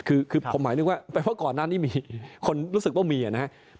คือผมหมายนึกว่าเพราะก่อนหน้านี้มีคนรู้สึกว่ามีนะครับ